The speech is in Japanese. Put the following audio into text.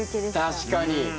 確かに！